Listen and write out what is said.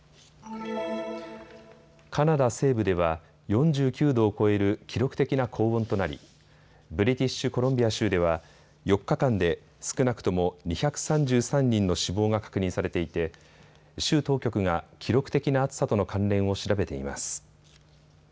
カナダ西部では４９度を超える記録的な高温となり、ブリティッシュ・コロンビア州では４日間で少なくとも２３３人の死亡が確認されていて州当局が記録的な暑さとの関連を調べています。